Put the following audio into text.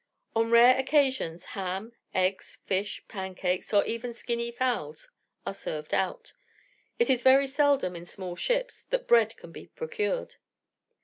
On rare occasions, ham, eggs, fish, pancakes, or even skinny fowls, are served out. It is very seldom, in small ships, that bread can be procured.